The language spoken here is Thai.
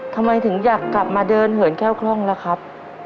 ทำไมถึงอยากกลับมาเดินเหินแก้วคล่องล่ะครับ